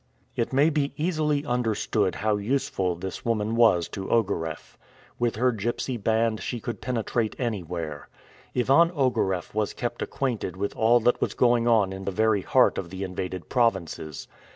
It may be easily understood how useful this woman was to Ogareff. With her gypsy band she could penetrate anywhere. Ivan Ogareff was kept acquainted with all that was going on in the very heart of the invaded provinces.